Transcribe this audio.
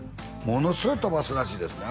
ものすごい飛ばすらしいですね